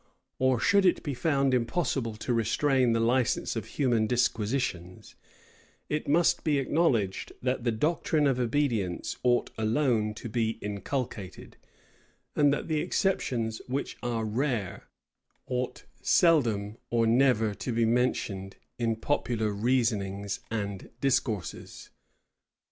Or should it be found impossible to restrain the license of human disquisitions, it must be acknowledged, that the doctrine of obedience ought alone to be inculcated; and that the exceptions, which are rare, ought seldom or never to be mentioned in popular reasonings and discourses.